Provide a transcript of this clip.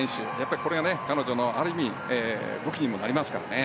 これが彼女の武器にもなりますからね。